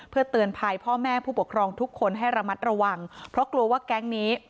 เพื่อเตือนภัยพ่อแม่ผู้ปกครองทุกคนให้ระมัดระวังเพราะกลัวว่าแก๊งนี้